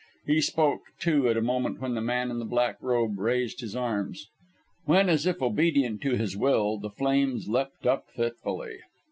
He spoke, too, at a moment when the man in the black robe, raised his arms when, as if obedient to his will, the flames leapt up fitfully.